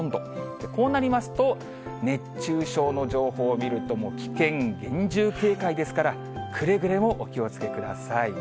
こうなりますと、熱中症の情報を見ると、危険、厳重警戒ですから、くれぐれもお気をつけください。